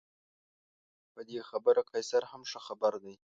په دې خبره قیصر هم ښه خبر دی.